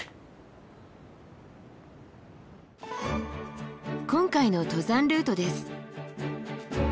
今回の登山ルートです。